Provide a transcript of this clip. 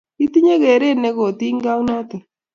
Itinye keret ne kotinykey ak notok